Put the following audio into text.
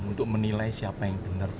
untuk menilai siapa yang benar